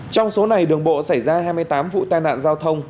trong số này đường bộ xảy ra hai mươi tám vụ tai nạn giao thông